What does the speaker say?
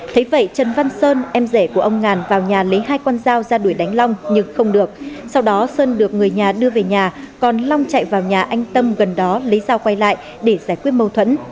thấy vậy trần văn sơn em rể của ông ngàn vào nhà lấy hai con dao ra đuổi đánh long nhưng không được sau đó sơn được người nhà đưa về nhà còn long chạy vào nhà anh tâm gần đó lấy dao quay lại để giải quyết mâu thuẫn